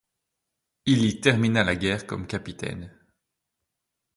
Il y termina la guerre comme capitaine.